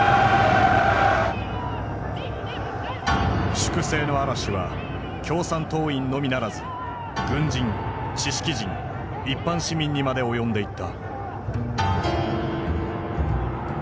粛清の嵐は共産党員のみならず軍人知識人一般市民にまで及んでいった。